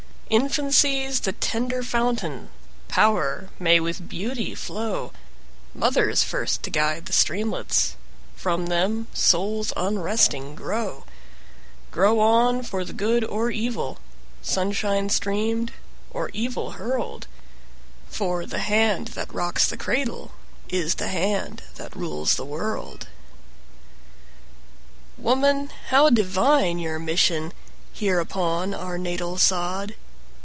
Infancy's the tender fountain, Power may with beauty flow, Mother's first to guide the streamlets, From them souls unresting grow Grow on for the good or evil, Sunshine streamed or evil hurled; For the hand that rocks the cradle Is the hand that rules the world. Woman, how divine your mission Here upon our natal sod!